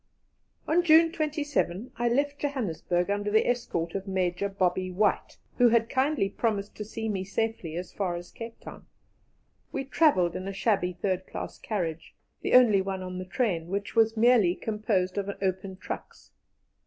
On June 27 I left Johannesburg under the escort of Major Bobby White, who had kindly promised to see me safely as far as Cape Town. We travelled in a shabby third class carriage, the only one on the train, which was merely composed of open trucks.